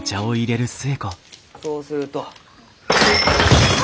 そうすると。